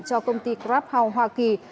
cho công ty crab house hoa kỳ